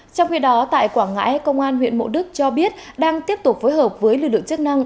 trong khi đó tại quảng ngãi công an huyện mộ đức cho biết đang tiếp tục phối hợp với lực lượng chức năng